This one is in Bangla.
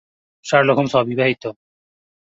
শার্লক হোমস অবিবাহিত।